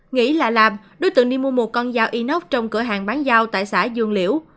nghĩ là làm đối tượng đi mua một con dao inox trong cửa hàng bán giao tại xã dương liễu